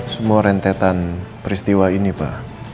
semua rentetan peristiwa ini pak